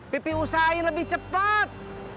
pipi usahain lebih cepet